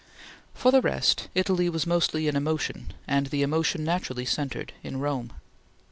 For the rest, Italy was mostly an emotion and the emotion naturally centred in Rome.